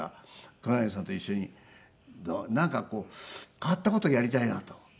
黒柳さんと一緒になんかこう変わった事やりたいなという事で。